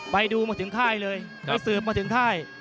ไปดูมาถึงข้ายเลย